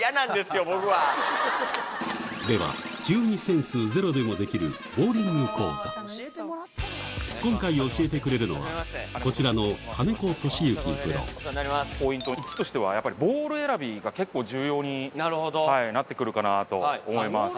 では球技センスゼロでもできる今回教えてくれるのはこちらのポイントとしてはやっぱりボール選びが結構重要になってくるかなと思います。